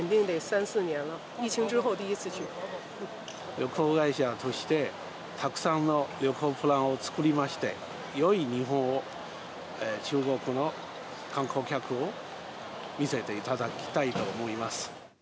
旅行会社として、たくさんの旅行プランを作りまして、よい日本を中国の観光客に見せていただきたいと思います。